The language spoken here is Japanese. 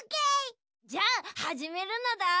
じゃあはじめるのだ。